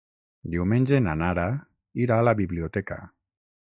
Diumenge na Nara irà a la biblioteca.